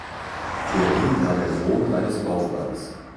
Thierry war der Sohn eines Kaufmanns.